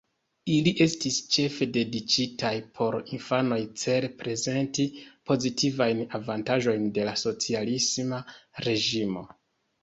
Ili estis ĉefe dediĉitaj por infanoj cele prezenti pozitivajn avantaĝojn de la socialisma reĝimo.